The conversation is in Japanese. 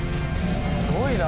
すごいな。